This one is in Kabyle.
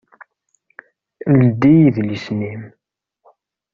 Ldi idlisen-im!